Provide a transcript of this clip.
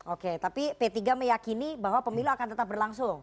oke tapi p tiga meyakini bahwa pemilu akan tetap berlangsung